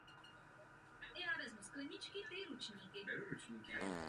Reprezentoval Rumunsko v mládežnických kategoriích.